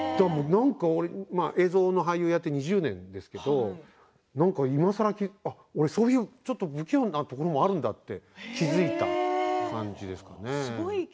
映像の俳優をやって２０年ですけど何かいまさらそういうちょっと不器用なところもあるんだと気付いたという感じですかね。